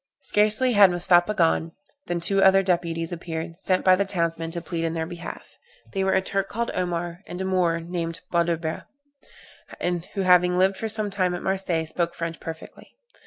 Scarcely had Mustapha gone, than two other deputies appeared, sent by the townsmen to plead in their behalf. They were a Turk called Omar, and a Moor named Bouderba, who having lived for some time at Marseilles, spoke French perfectly.